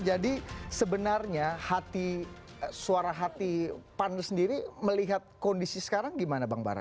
sebenarnya suara hati pan sendiri melihat kondisi sekarang gimana bang bara